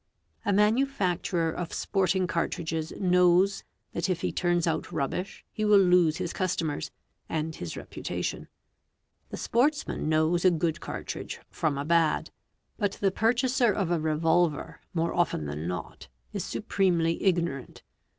A manufacturer of sporting cartridges know that if he turns out rubbish he will lose his customers and his reputa tion; the sportsman knows a good cartridge from a bad; but the purchas AMMUNITION 435 of a revolver, more often than not, is supremely ignorant.